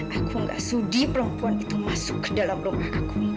aku gak sudi perempuan itu masuk ke dalam rumah kaku